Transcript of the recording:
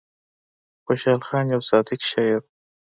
خوشال خان يو صادق شاعر وو ـ